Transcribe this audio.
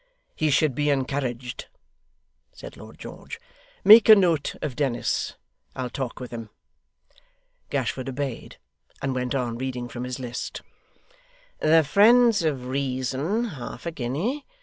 'He should be encouraged,' said Lord George. 'Make a note of Dennis. I'll talk with him.' Gashford obeyed, and went on reading from his list: '"The Friends of Reason, half a guinea.